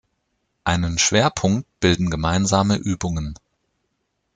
Einen Schwerpunkt bilden gemeinsame Übungen.